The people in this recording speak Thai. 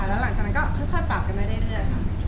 แล้วหลังจากนั้นก็ค่อยปรับกันมาเรื่อยค่ะ